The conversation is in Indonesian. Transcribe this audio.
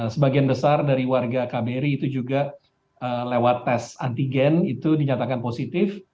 sebagian besar dari warga kbri itu juga lewat tes antigen itu dinyatakan positif